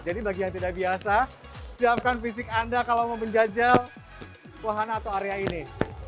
jadi bagi yang tidak biasa siapkan fisik anda kalau mau menjajal ruangan atau area ini